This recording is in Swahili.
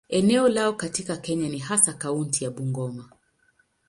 Eneo lao katika Kenya ni hasa kaunti ya Bungoma.